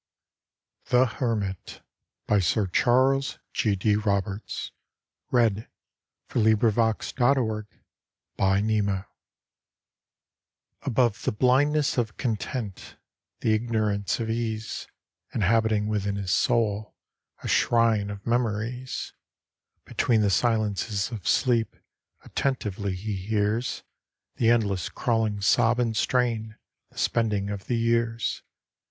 of flowers and grass, Wherein to sit and watch the fury pass. The Hermit Above the blindness of content, The ignorance of ease, Inhabiting within his soul A shrine of memories, Between the silences of sleep Attentively he hears The endless crawling sob and strain, The spending of the years.